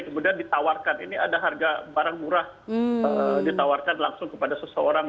kemudian ditawarkan ini ada harga barang murah ditawarkan langsung kepada seseorang